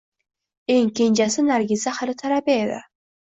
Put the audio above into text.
Eng kenjasi Nargiza hali talaba edi